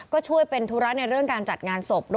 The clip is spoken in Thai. ก็ช่วยเป็นธุระในเรื่องการจัดงานศพ